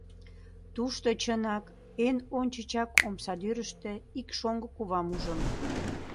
Тушто, чынак, эн ончычак омсадӱрыштӧ ик шоҥго кувам ужым.